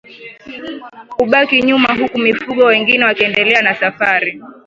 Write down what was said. Kubaki nyuma huku mifugo wengine wakiendelea na safari